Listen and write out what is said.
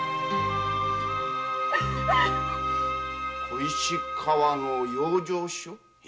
小石川の養生所？